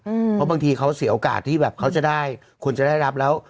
เพราะบางทีเขาเสียโอกาสที่แบบเขาจะได้คุณจะได้รับแล้ว